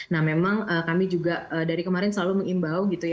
nah memang kami juga dari kemarin selalu mengimbau gitu ya